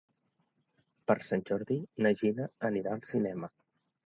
Per Sant Jordi na Gina anirà al cinema.